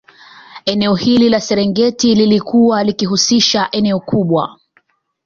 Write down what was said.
Eneo hili la Serengeti lilikuwa likihusisha eneo kubwa